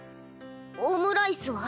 オムライスは？